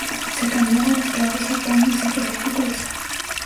Se cambiaban esclavos por paños y otros artículos.